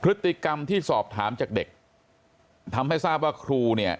พฤติกรรมที่สอบถามจากเด็กทำให้ทราบว่าครูเนี่ย